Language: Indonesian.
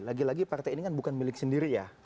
lagi lagi partai ini kan bukan milik sendiri ya